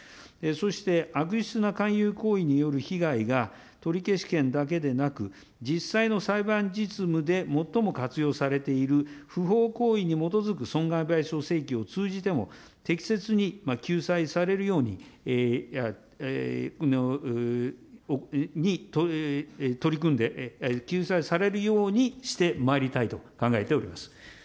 そして悪質な勧誘行為による被害が取消権だけでなく、実際の裁判実務でもっとも活用されている、不法行為に基づく損害賠償請求を通じても、適切に救済されるように、取り組んで、救済されるようにしてまいりたいと考えております。